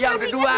ya udah dua